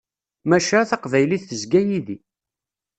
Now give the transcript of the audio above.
Maca, Taqbaylit tezga yid-i.